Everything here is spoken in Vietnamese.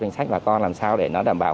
danh sách bà con làm sao để nó đảm bảo